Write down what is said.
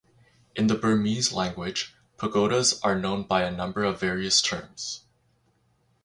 In the Burmese language, pagodas are known by a number of various terms.